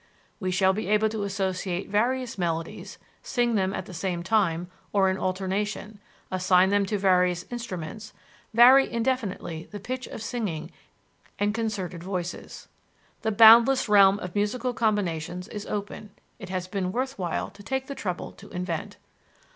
We shall be able to associate various melodies, sing them at the same time, or in alternation, assign them to various instruments, vary indefinitely the pitch of singing and concerted voices. The boundless realm of musical combinations is open; it has been worth while to take the trouble to invent.